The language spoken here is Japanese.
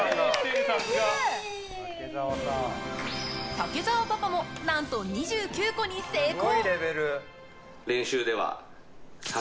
武澤パパも何と２９個に成功。